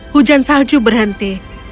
hujan salju berhenti